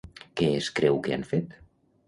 Què es creu que han fet?